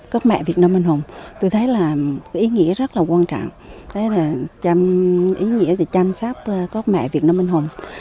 các mẹ việt nam anh hùng tôi thấy là ý nghĩa rất là quan trọng ý nghĩa là chăm sóc các mẹ việt nam anh hùng